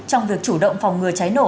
trong việc chủ động phòng ngừa cháy nổ